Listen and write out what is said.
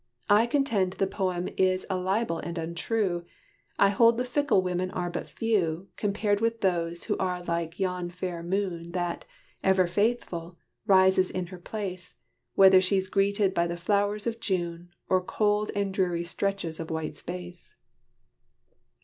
I contend The poem is a libel and untrue I hold the fickle women are but few, Compared with those who are like yon fair moon That, ever faithful, rises in her place Whether she's greeted by the flowers of June, Or cold and dreary stretches of white space."